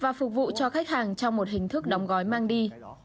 và phục vụ cho khách hàng trong một hình thức đóng gói mang đi